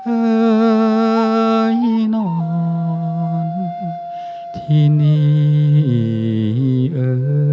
เอ่ยนอนทีนี้เออ